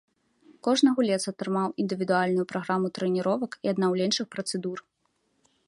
Кожны гулец атрымаў індывідуальную праграму трэніровак і аднаўленчых працэдур.